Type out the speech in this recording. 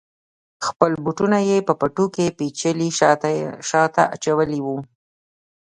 خپل بوټونه یې په پټو کې پیچلي شاته اچولي وه.